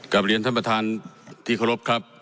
กลับเรียนท่านประธานที่เคารพครับ